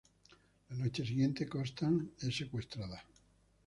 La noche siguiente Constance es secuestrada.